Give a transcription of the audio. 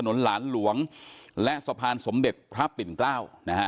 ถนนหลานหลวงและสะพานสมเด็กพระปิดเกล้า